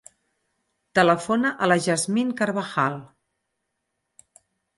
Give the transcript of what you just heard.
Telefona a la Yasmin Carvajal.